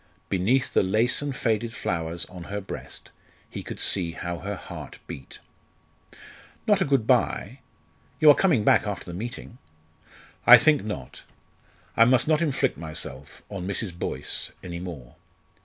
Beneath the lace and faded flowers on her breast he could see how her heart beat. "Not good bye? You are coming back after the meeting?" "I think not. I must not inflict myself on Mrs. Boyce any more.